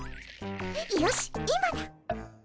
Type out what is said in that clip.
よし今だ！